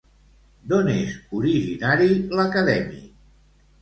D'on és originari l'acadèmic?